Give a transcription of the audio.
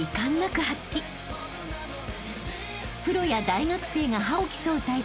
［プロや大学生が覇を競う大会